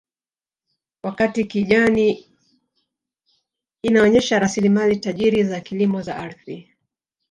Wakati kijani inaonyesha rasilimali tajiri za kilimo za ardhi